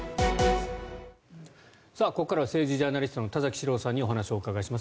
ここからは政治ジャーナリストの田崎史郎さんにお話をお伺いします。